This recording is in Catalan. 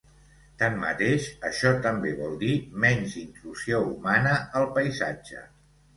Tanmateix, això també vol dir menys intrusió humana al paisatge.